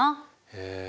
へえ。